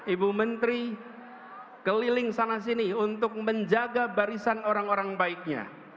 ibu menteri keliling sana sini untuk menjaga barisan orang orang baiknya